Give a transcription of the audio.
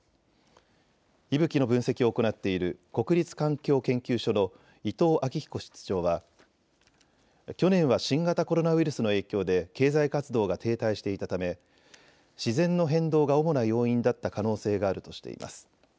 いぶきの分析を行っている国立環境研究所の伊藤昭彦室長は去年は新型コロナウイルスの影響で経済活動が停滞していたため自然の変動が主な要因だった可能性があるとしています。